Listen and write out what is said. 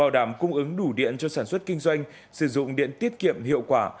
đảm cung ứng đủ điện cho sản xuất kinh doanh sử dụng điện tiết kiệm hiệu quả